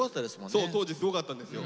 そう当時すごかったんですよ。